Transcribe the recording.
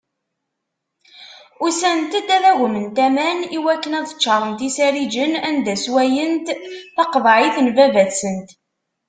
Usant-d ad agment aman iwakken ad ččaṛent isariǧen anda sswayent taqeḍɛit n baba-tsent.